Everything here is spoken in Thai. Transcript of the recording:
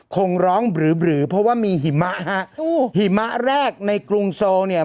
คงร้องหรือบรือเพราะว่ามีหิมะฮะหิมะแรกในกรุงโซลเนี่ย